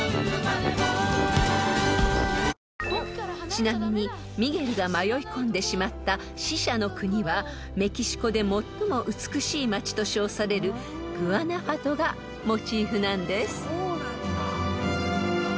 ［ちなみにミゲルが迷い込んでしまった死者の国はメキシコで最も美しい街と称されるグアナファトがモチーフなんです］